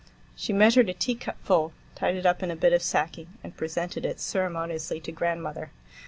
She measured a teacup full, tied it up in a bit of sacking, and presented it ceremoniously to grandmother.